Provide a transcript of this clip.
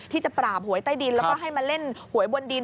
ที่จะปราบหวยใต้ดินแล้วก็ให้มาเล่นหวยบนดิน